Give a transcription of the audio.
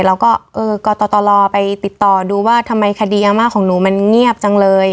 แล้วก็เออกตรไปติดต่อดูว่าทำไมคดีอาม่าของหนูมันเงียบจังเลย